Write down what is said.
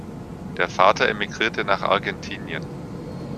Der Vater emigrierte nach Argentinien.